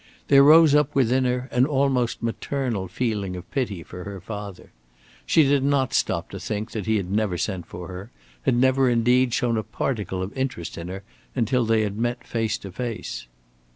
There rose up within her an almost maternal feeling of pity for her father. She did not stop to think that he had never sent for her; had never indeed shown a particle of interest in her until they had met face to face.